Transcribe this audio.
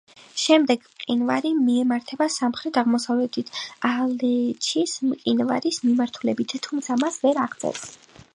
შემდეგ მყინვარი მიემართება სამხრეთ-აღმოსავლეთით, ალეჩის მყინვარის მიმართულებით, თუმცა მას ვერ აღწევს.